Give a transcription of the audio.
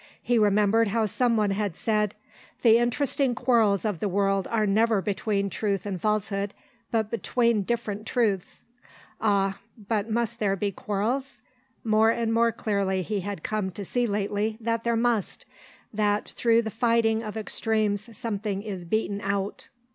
He remembered how someone had said, "The interesting quarrels of the world are never between truth and falsehood, but between different truths." Ah, but must there be quarrels? More and more clearly he had come to see lately that there must; that through the fighting of extremes something is beaten out....